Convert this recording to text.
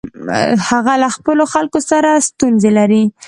هغه له خپلو خلکو سره ستونزې لري.